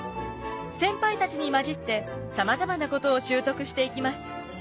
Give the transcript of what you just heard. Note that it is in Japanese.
先輩たちに交じってさまざまなことを習得していきます。